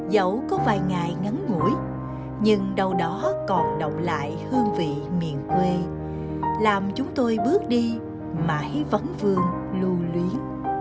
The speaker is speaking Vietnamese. dẫu có vài ngày ngắn ngũi nhưng đâu đó còn động lại hương vị miền quê làm chúng tôi bước đi mãi vắng vương lưu luyến